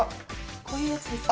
こういうやつですよ